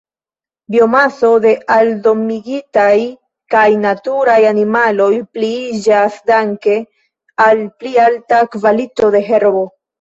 Biomaso de aldomigitaj kaj naturaj animaloj pliiĝas danke al pli alta kvalito de herbo.